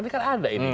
ini kan ada ini